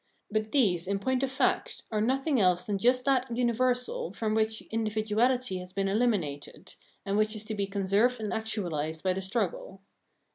But these, in point of fact, are nothing else than just that universal from which individuahty has been eliminated, and which is to be conserved and actualised by the struggle.